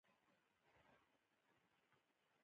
نه د ځینو ناروغیو واکسین لویانو ته هم کیږي